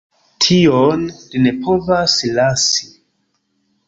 Tion li ne povas lasi!